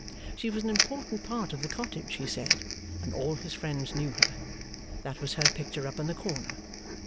She was an important part of the Cottage, he said, and all his friends knew her. That was her picture up in the corner.